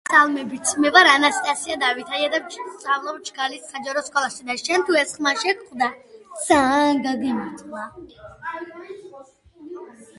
ამას მოჰყვა ომი ჰაბსბურგებთან და სხვა გერმანელ მთავრებთან, რომელთაც უნგრელი და გერმანელი მაგნატები მიემხრნენ.